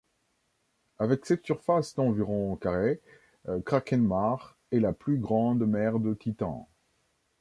Avec cette surface d'environ carrés, Kraken Mare est la plus grande mer de Titan.